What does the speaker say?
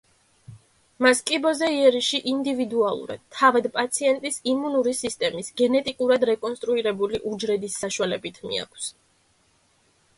მას კიბოზე იერიში ინდივიდუალურად, თავად პაციენტის იმუნური სისტემის გენეტიკურად რეკონსტრუირებული უჯრედის საშუალებით მიაქვს.